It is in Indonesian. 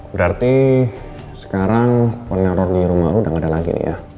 berarti sekarang penaruh di rumah udah gak ada lagi nih ya